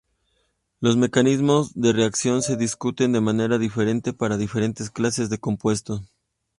Los mecanismos de reacción se discuten de manera diferente para diferentes clases de compuestos.